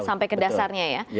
sampai ke dasarnya ya